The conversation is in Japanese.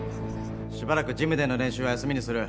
しばらくジムでの練習は休みにする。